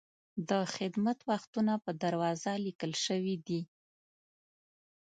د خدمت وختونه په دروازه لیکل شوي دي.